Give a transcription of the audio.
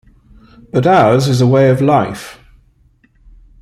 But ours is a way of life.